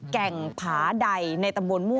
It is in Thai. แก่งผาใดใน